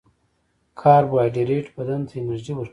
کاربوهایډریټ بدن ته انرژي ورکوي